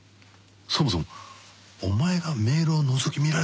そもそもお前がメールをのぞき見られたのが原因だろ！